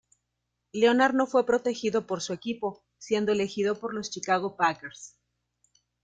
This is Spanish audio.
Leonard no fue protegido por su equipo, siendo elegido por los Chicago Packers.